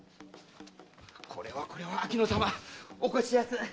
これはこれは秋野様お越しやす。